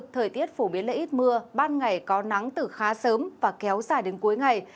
thời tiết phổ biến lợi ít mưa ban ngày có nắng từ khá sớm và kéo dài đến cuối ngày